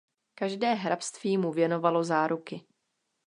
Každé hrabství mu věnovalo záruky.